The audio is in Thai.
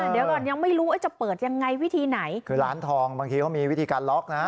เดี๋ยวก่อนยังไม่รู้ว่าจะเปิดยังไงวิธีไหนคือร้านทองบางทีเขามีวิธีการล็อกนะ